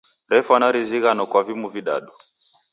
Refwana rizighano kwa vimu vidadu.